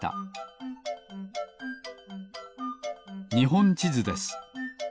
にほんちずです。